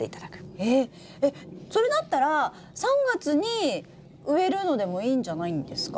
えっそれだったら３月に植えるのでもいいんじゃないんですか？